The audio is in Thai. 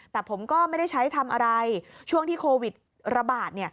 แต่ผมก็ไม่ได้ใช้ทำอะไรช่วงที่โควิดระบาด